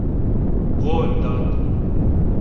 قول داد